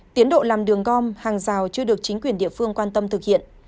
tiến độ làm đường gom hàng rào chưa được chính quyền địa phương quan tâm thực hiện